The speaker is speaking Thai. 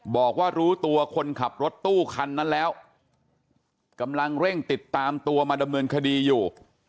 บอกว่ารู้ตัวคนขับรถตู้คันนั้นแล้วกำลังเร่งติดตามตัวมาดำเนินคดีอยู่